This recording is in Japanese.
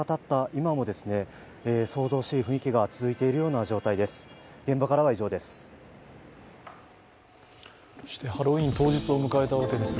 今も騒々しい雰囲気が続いているような状況です。